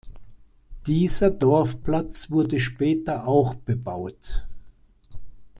Dieser Dorfplatz wurde später auch bebaut.